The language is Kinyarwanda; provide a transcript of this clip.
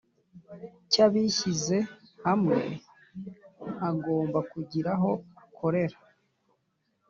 Cy abishyizehamwe agomba kugira aho akorera